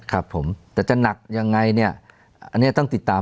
ครับผมแต่จะหนักยังไงเนี่ยอันนี้ต้องติดตาม